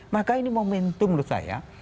maka ini momentum menurut saya